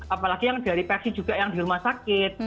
apalagi yang dari persi juga yang di rumah sakit